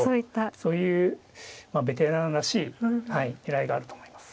そういうベテランらしい狙いがあると思います。